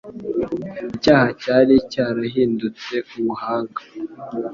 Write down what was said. Icyaha cyari cyarahindutse ubuhanga,